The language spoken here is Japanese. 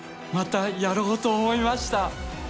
またやろうと思いました。